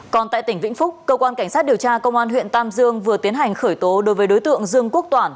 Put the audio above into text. còn tại tỉnh vĩnh phúc cơ quan cảnh sát điều tra công an huyện tam dương vừa tiến hành khởi tố đối với đối tượng dương quốc toản